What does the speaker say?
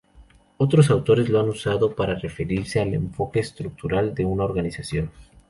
Otros autores lo han usado para referirse al enfoque estructural de una organización.